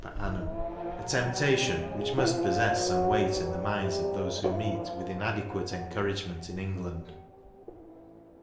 per annum, a temptation which must possess some weight in the minds of those who meet with inadequate encouragement in England.